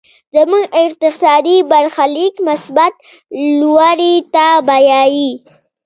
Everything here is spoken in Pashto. زموږ اقتصادي برخليک مثبت لوري ته بيايي.